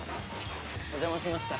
お邪魔しました。